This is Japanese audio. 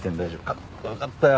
かっこよかったよ！